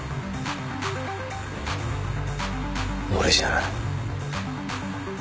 俺じゃない。